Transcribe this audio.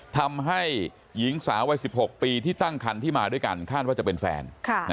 ทำให้หญิงสาววัย๑๖ปีที่ตั้งคันที่มาด้วยกันคาดว่าจะเป็นแฟน